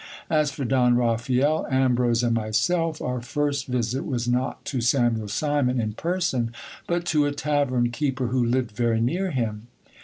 As for Don Raphael, Ambrose, and myself, our first visit was not to Samuel Simon in person, but to a tavern keeper who lived very near him.